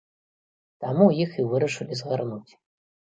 Таму іх і вырашылі згарнуць.